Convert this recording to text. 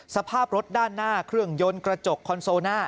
สภาพรถด้านหน้าเครื่องยนต์กระจกคอนโซน่า